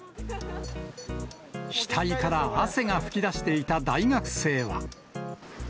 額から汗が噴き出していた大学生は。